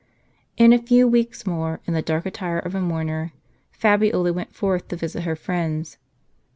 In a few weeks more, in the dark attire of a mourner, Fabiola went forth to visit her friends.